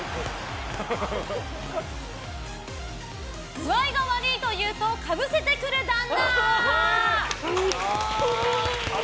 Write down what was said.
「具合が悪い」と言うとかぶせてくる旦那！